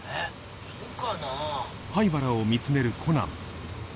そうかなぁ。